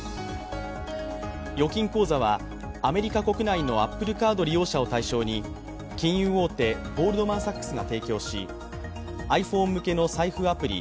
預金口座は、アメリカ国内のＡｐｐｌｅＣａｒｄ利用者を対象に金融大手ゴールドマンサックスが提供し、ｉＰｈｏｎｅ向けの財布アプリ